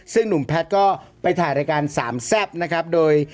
ซึ่งหนุ่มแพทย์ก็ไปถ่ายรายการสามแซ่บนะครับโดย